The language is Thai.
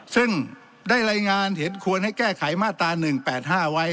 ซึ่งได้รายงานเห็นควรให้แก้ไขมาตรา๑๘๕ไว้